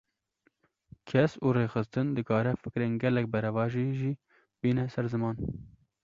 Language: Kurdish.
Kes û rêxistin, dikare fikrên gelek beravajî jî bîne ser ziman